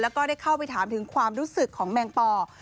แล้วก็ได้เข้าไปถามถึงความรู้สึกของแมงปอ